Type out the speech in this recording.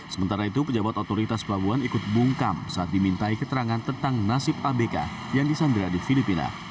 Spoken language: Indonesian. sementara itu pejabat otoritas pelabuhan ikut bungkam saat dimintai keterangan tentang nasib abk yang disandra di filipina